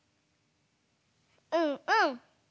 うんうん。